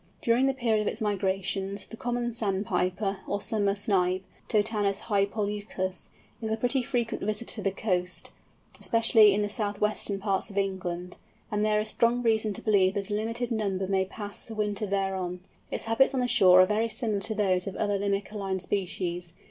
During the period of its migrations, the Common Sandpiper, or Summer Snipe (Totanus hypoleucus) is a pretty frequent visitor to the coast, especially in the south western parts of England; and there is strong reason to believe that a limited number may pass the winter thereon. Its habits on the shore are very similar to those of the other Limicoline species.